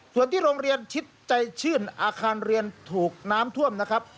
ส่วนที่โรงเรียนชิดใจชื่นอาคารเรียนถูกน้ำท่วมนะครับ